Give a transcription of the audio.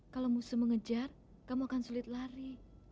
kalau musuh mengejar kamu akan sulit lari